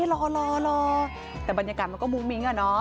รอแต่บรรยากาศมันก็มุ้งมิ้งอะเนาะ